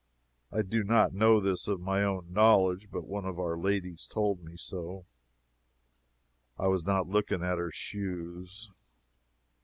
I do not know this of my own knowledge, but one of our ladies told me so. I was not looking at her shoes.